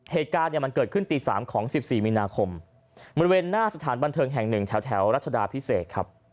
เหตุการณ์เนี่ยมันเกิดขึ้นตี๓ของ๑๔มีนาคมบริเวณหน้าสถานบันเทิงแห่งหนึ่งแถวรัชดาพิเศษครับ